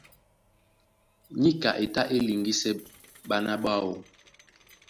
Níka e tá e liŋgisɛ ɓána ɓáō.